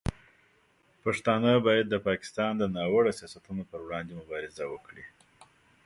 پښتانه باید د پاکستان د ناوړه سیاستونو پر وړاندې مبارزه وکړي.